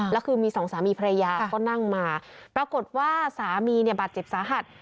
แล้วคือมีสองสามีภรรยาก็นั่งมาปรากฏว่าสามีเนี่ยบาดเจ็บสาหัส